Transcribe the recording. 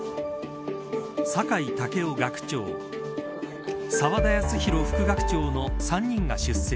酒井健夫学長澤田康広副学長の３人が出席。